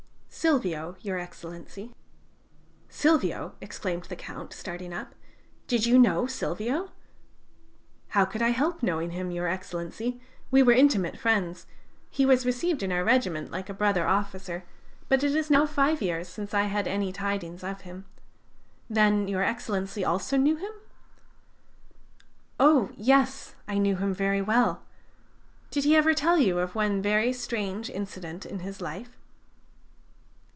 "Silvio, Your Excellency." "Silvio!" exclaimed the Count, starting up. "Did you know Silvio?" "How could I help knowing him, Your Excellency: we were intimate friends; he was received in our regiment like a brother officer, but it is now five years since I had any tidings of him. Then Your Excellency also knew him?" "Oh, yes, I knew him very well. Did he ever tell you of one very strange incident in his life?"